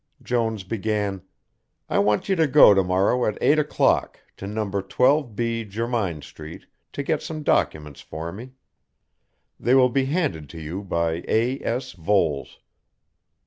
Jones began: "I want you to go to morrow at eight o'clock to No. 12B Jermyn Street to get some documents for me. They will be handed to you by A. S. Voles."